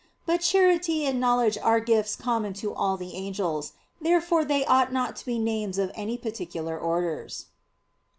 But charity and knowledge are gifts common to all the angels. Therefore they ought not to be names of any particular orders.